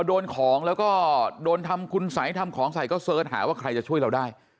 โดนของแล้วก็โดนทำคุณสัยทำของใส่ก็เสิร์ชหาว่าใครจะช่วยเราได้